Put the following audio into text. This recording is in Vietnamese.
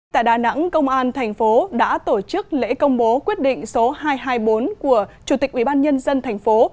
tại đà nẵng công an thành phố đã tổ chức lễ công bố quyết định số hai trăm hai mươi bốn của chủ tịch ubnd thành phố